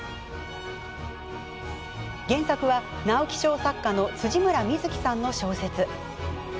原作は直木賞作家の辻村深月さんの小説。